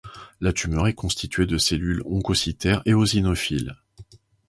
La tumeur est constituée de cellules oncocytaires éosinophiles.